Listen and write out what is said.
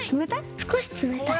少し冷たい。